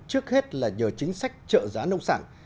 trước hết là nhờ chính sách trợ giá nông sản